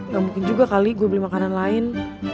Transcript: gak mungkin juga kali gue beli makanan lain